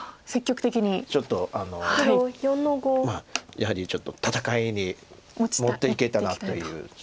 やはりちょっと戦いに持っていけたらという。